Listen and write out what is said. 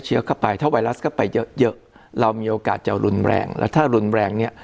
เข้าไปถ้าไวรัสเข้าไปเยอะเยอะเรามีโอกาสจะรุนแรงแล้วถ้ารุนแรงเนี่ย